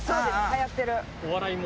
はやってる。